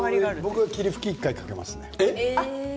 僕は霧吹きを１回かけますね。